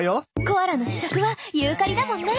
コアラの主食はユーカリだもんね。